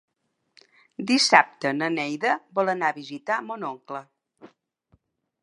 Dissabte na Neida vol anar a visitar mon oncle.